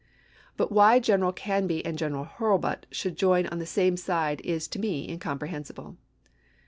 But why General Canby and General Hurlbut should join on the same side is to me incomprehensible.